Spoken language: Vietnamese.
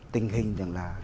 tình hình rằng là